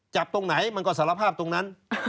จับตรงไหนมันก็สารภาพตรงนั้น